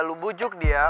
lu bujuk dia